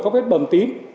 các vết bầm tím